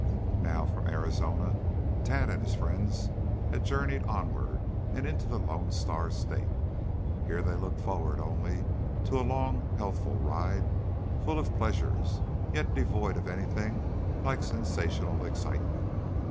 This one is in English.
Now, from Arizona, Tad and his friends had journeyed onward and into the Lone Star State. Here they looked forward only to a long, healthful ride, full of pleasures, yet devoid of anything like sensational excitement.